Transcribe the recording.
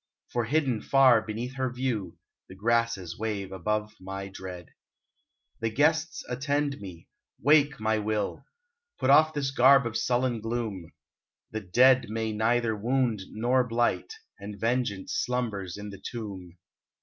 For hidden far beneath her view, The grasses wave above my dread. The guests attend me. Wake, my will ! Put off this garb of sullen gloom ! The dead may neither wound nor blight ; And vengeance slumbers in the tomb.